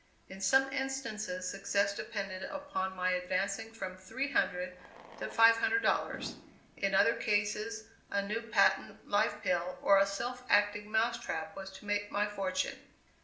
In some instances success depended upon my advancing from three hundred to five hundred dollars; in other cases a new patent life pill, or a self acting mouse trap was to make my fortune.